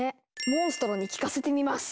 モンストロに聞かせてみます。